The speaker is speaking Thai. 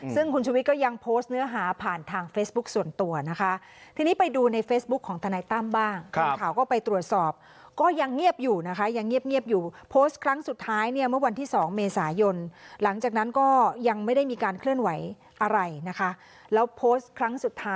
ถูกถ่าวทราบว่าถูกลงโทษอย่างไรบ้าง